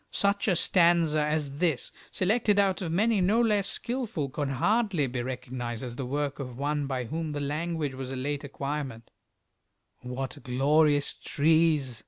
Such a stanza as this, selected out of many no less skilful, could hardly be recognized as the work of one by whom the language was a late acquirement: What glorious trees!